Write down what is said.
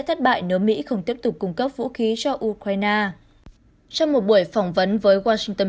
thất bại nếu mỹ không tiếp tục cung cấp vũ khí cho ukraine trong một buổi phỏng vấn với washingt